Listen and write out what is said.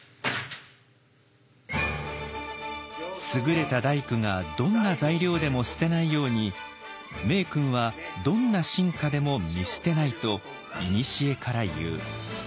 「『優れた大工がどんな材料でも捨てないように名君はどんな臣下でも見捨てない』といにしえからいう。